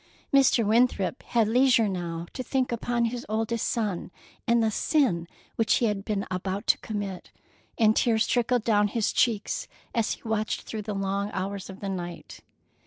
Mr. Winthrop had leisure now to think upon his oldest son, and the sin which he had been about to commit, and tears trickled down his cheeks as he watched through the long hours of the night.